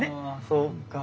そっか。